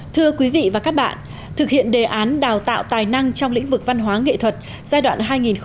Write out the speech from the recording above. thưa quý vị và các bạn thực hiện đề án đào tạo tài năng trong lĩnh vực văn hóa nghệ thuật giai đoạn hai nghìn một mươi sáu hai nghìn hai mươi